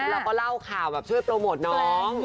เราก็เล่าข่าวแบบช่วยโปรโมทน้อง